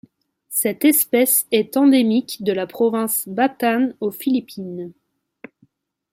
Cette espèce est endémique de la province Bataan aux Philippines.